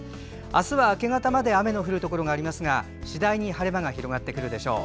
明日は明け方まで雨の降るところがありますが次第に晴れ間が広がってくるでしょう。